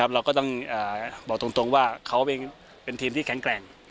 เราก็ต้องบอกตรงว่าเขาเป็นทีมที่แข็งแกร่ง